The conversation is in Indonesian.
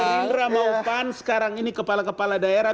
gerindra mau pan sekarang ini kepala kepala daerah